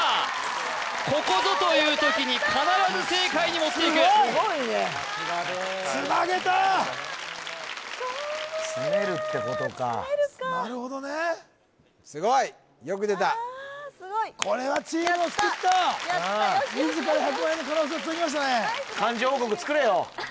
ここぞという時に必ず正解にもっていくつなげた「詰める」ってことか「詰める」かなるほどねすごいよく出たすごいやったこれはチームを救った自ら１００万円の可能性をつなぎましたね